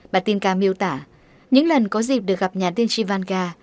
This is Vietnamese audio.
bà tinka miêu tả những lần có dịp được gặp nhà tiên tri vanga